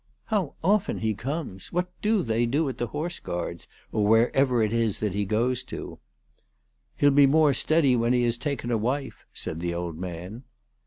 " How often he comes ! What do they do at the Horse Guards, or wherever it is that he goes to ?"" He'll be more steady when he has taken a wife/' said the old man.